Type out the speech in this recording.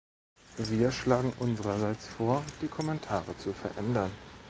Wir schlagen unsererseits vor, die Kommentare zu verändern.